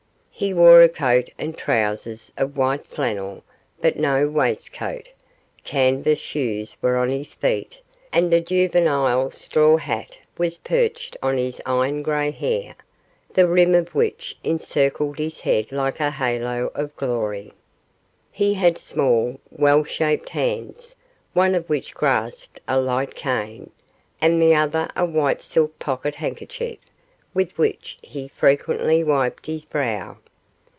He wore a coat and trousers of white flannel, but no waistcoat; canvas shoes were on his feet, and a juvenile straw hat was perched on his iron grey hair, the rim of which encircled his head like a halo of glory. He had small, well shaped hands, one of which grasped a light cane, and the other a white silk pocket handkerchief, with which he frequently wiped his brow.